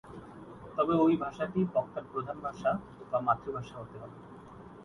তবে ঐ ভাষাটি বক্তার প্রধান ভাষা বা মাতৃভাষা হতে হবে।